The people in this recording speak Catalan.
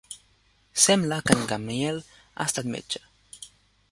Sembla que en Gamliel ha estat metge.